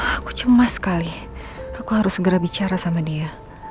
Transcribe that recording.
aku cemas sekali aku harus segera bicara sama dia